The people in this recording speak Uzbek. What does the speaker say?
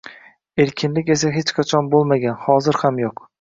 Erkinlik esa hech qachon boʻlmagan, hozir ham yoʻq